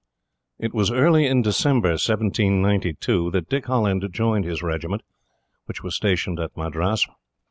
It was early in December, 1792, that Dick Holland joined his regiment, which was stationed at Madras.